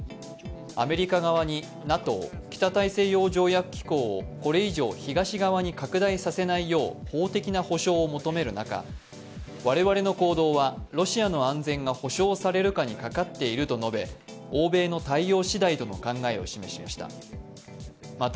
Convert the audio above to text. アメリカ側にＮＡＴＯ＝北大西洋条約機構をこれ以上東側に拡大させないよう法的な保証を求める中、我々の行動は、ロシアの安全が保証されるかにかかっていると述べ欧米の対応しだいとの考えを示しました。